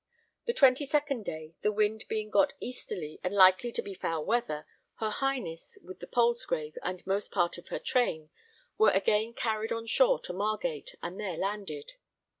The 22nd day, the wind being got easterly and likely to be foul weather, her Highness, with the Palsgrave and most part of her train, were again carried on shore to Margate and there landed.